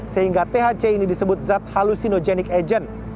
sehingga thc ini disebut zat halusinogenik agent